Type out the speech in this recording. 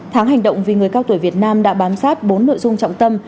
tháng hành động vì người cao tuổi việt nam đã bám sát bốn nội dung trọng tâm